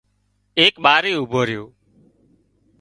ايڪ ٻارئي اوڀو ريو